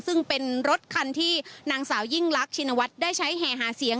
ซึ่งเป็นรถคันที่นางสาวยิ่งรักชินวัฒน์ได้ใช้แห่หาเสียง